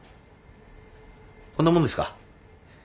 こんなもんですか。